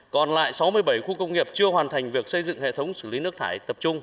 còn lại sáu mươi bảy khu công nghiệp chưa hoàn thành việc xây dựng hệ thống xử lý nước thải tập trung